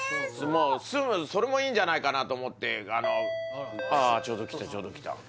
もう住むそれもいいんじゃないかなと思ってあのああちょうど来たちょうど来た